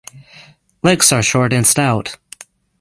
Legs are short and stout.